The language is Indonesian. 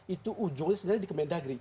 itu ujungnya sebenarnya di kementerian negeri